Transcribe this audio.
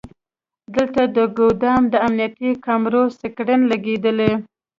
دلته د ګودام د امنیتي کامرو سکرین لګیدلی.